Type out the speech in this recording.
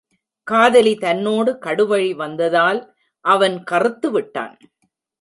காதலி தன்னோடு கடுவழி வந்ததால் அவன் கறுத்து விட்டான்.